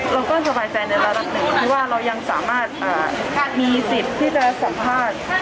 เราก็สบายใจในระดับหนึ่งที่ว่าเรายังสามารถมีสิทธิ์ที่จะสัมภาษณ์